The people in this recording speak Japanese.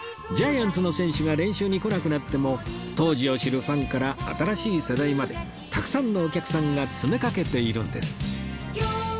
ジャイアンツの選手が練習に来なくなっても当時を知るファンから新しい世代までたくさんのお客さんが詰めかけているんです